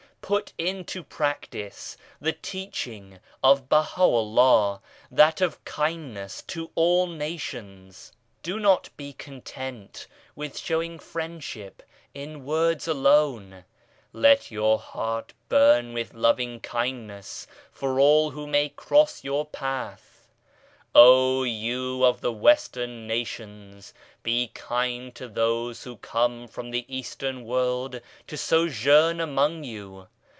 Put into practice the Teaching of Baha'u'llah, that of kindness to all nations. Do not be content with ii 12 DUTY OF KINDNESS showing friendship in words alone, let your heart bum with loving kindness for all who may cross your path. Oh you of the Western nations, be kind to those who come from the Eastern world to sojourn among you.